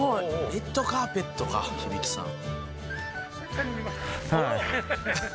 『レッドカーペット』か響さん。